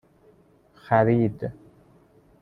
خرید